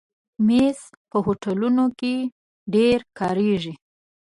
مېز په هوټلونو کې ډېر کارېږي.